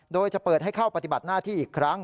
โดยจะเปิดให้เข้าปฏิบัติหน้าที่อีกครั้ง